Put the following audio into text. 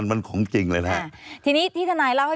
มันของจริงเลยที่นี้ที่ทนายเล่าให้ทีชั้นฟัง